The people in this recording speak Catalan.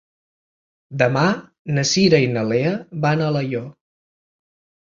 Demà na Cira i na Lea van a Alaior.